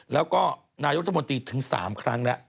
แล้วก็นายุทธมนตรีถึง๓ครั้งแล้ว